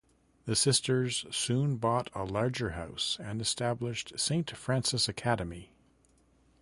The Sisters soon bought a larger house and established Saint Francis Academy.